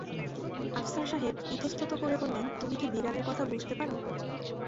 আফসার সাহেব ইতস্তত করে বললেন, তুমি কি বিড়ালের কথা বুঝতে পার?